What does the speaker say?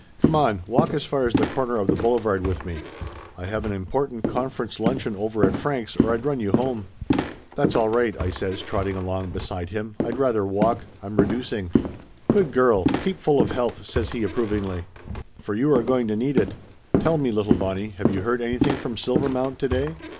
"Come on, walk as far as the corner of the boulevard with me. I have an important conference luncheon over at Frank's or I'd run you home." Laughter Limited 185 "That's all right," I says, trotting along beside him. "I'd rather walk. I'm reducing!" "Good girl, keep full of health!" says he approv ingly. "For you are going to need it. Tell me, little Bonnie, have you heard anything from Silvermount today?"